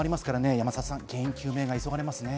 山里さん、原因究明が急がれますね。